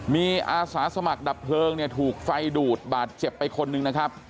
มีอาสาสมัครดับเพลิงเนี่ยถูกไฟดูดบาดเจ็บไปคนหนึ่งนะครับ